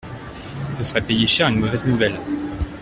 Ce serait payer cher une mauvaise nouvelle.